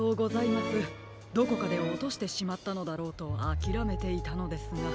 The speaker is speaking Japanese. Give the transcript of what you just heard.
どこかでおとしてしまったのだろうとあきらめていたのですが。